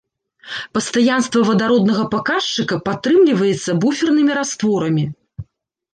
Пастаянства вадароднага паказчыка падтрымліваецца буфернымі растворамі.